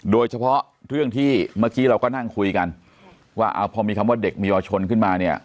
โดยเฉพาะเรื่องที่เมื่อกี้เราก็นั่งคุยกันว่าพอมีคำว่าเด็กมีเยาวชนขึ้นมาเนี่ย